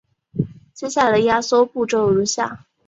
接下来的压缩步骤如下。